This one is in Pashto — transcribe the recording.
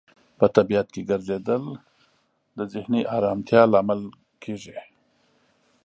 په طبیعت کې ګرځیدل د ذهني آرامتیا لامل کیږي.